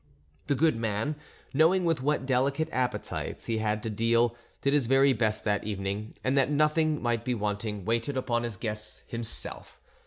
The good man, knowing with what delicate appetites he had to deal, did his very best that evening, and that nothing might be wanting, waited upon his guests himself.